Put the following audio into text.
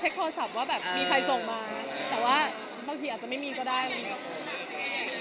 ใหญ่มากก็ดีขอบคุณคนที่ส่งมาด้วยค่ะ